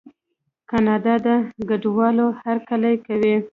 کاناډا د کډوالو هرکلی کوي.